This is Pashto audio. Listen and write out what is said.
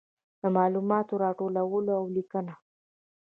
د معلوماتو راټولول او لیکنه.